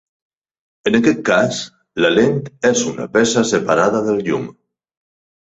En aquest cas, la lent és una peça separada del llum.